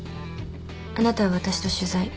あなたは私と取材。